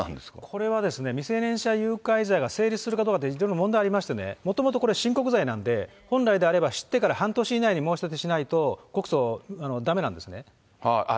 これはですね、未成年者誘拐罪が成立するかどうかって非常に問題ありましてね、もともとこれ、親告罪なんで、本来であれば、知ってから半年以内に申し立てしないと、告訴だめなんですね。